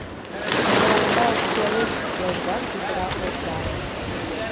— Тыланда ок пелед, — лыжган кутыра овда.